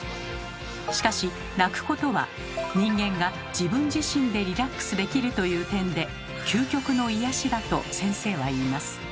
しかし泣くことは人間が自分自身でリラックスできるという点で究極の癒やしだと先生は言います。